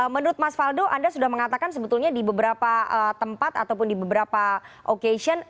menurut mas faldo anda sudah mengatakan sebetulnya di beberapa tempat ataupun di beberapa occasion